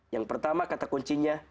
yang pertama kata kuncinya